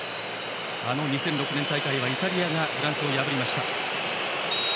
あの２００６年大会はイタリアがフランスを破りました。